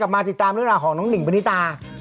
มาติดตามเรื่องราวของน้องหนิงปณิตา